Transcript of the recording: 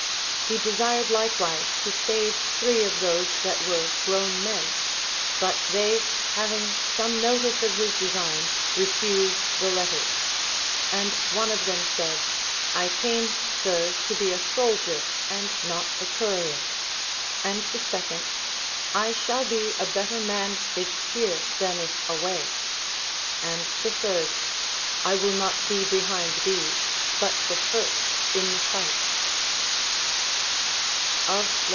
He desired likewise to save three of those that were grown men ; but they having some notice of his design refused the letters. And one of them said, I came, sir, to be a soldier, and not a courier ; and the second, I shall be a better man if here than if away ; LACONIC APOPHTHEGMS. 419 and the third, I will not be behind these, but the first in the fight.